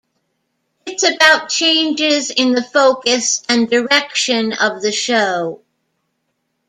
It's about changes in the focus and direction of the show.